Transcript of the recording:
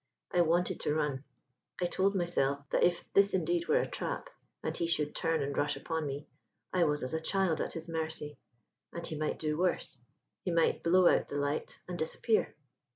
I wanted to run. I told myself that if this indeed were a trap, and he should turn and rush upon me, I was as a child at his mercy. And he might do worse: he might blow out the light and disappear.